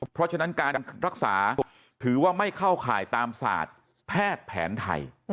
เพราะฉะนั้นการรักษาถือว่าไม่เข้าข่ายตามศาสตร์แพทย์แผนไทย